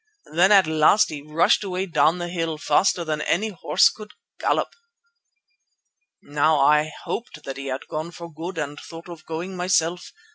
Then at last he rushed away down the hill, faster than any horse could gallop. "Now I hoped that he had gone for good and thought of going myself.